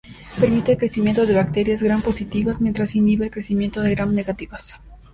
Permite el crecimiento de bacterias Gram-positivas mientras inhibe el crecimiento de Gram-negativas.